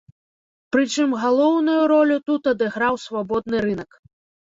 Прычым галоўную ролю тут адыграў свабодны рынак.